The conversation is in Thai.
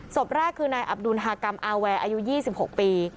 ศพแรกคือนายอับดุลฮากรรมอาแวร์อายุ๒๖ปี